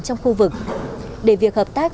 trong khu vực để việc hợp tác